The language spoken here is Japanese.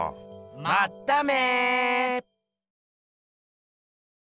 まっため！